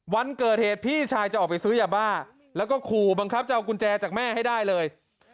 วันเกิดเหตุพี่ชายจะออกไปซื้อยาบ้าแล้วก็ขู่บังคับจะเอากุญแจจากแม่ให้ได้เลย